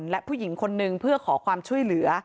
และผู้หญิงคนนึงเพื่อขอความช่วยเหลือ